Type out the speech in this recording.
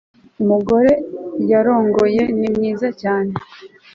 Umugore yarongoye ni mwiza cyane